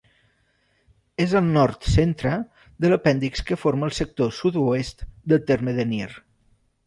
És al nord centre de l'apèndix que forma el sector sud-oest del terme de Nyer.